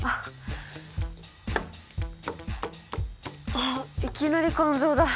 あっいきなり「肝臓」だ。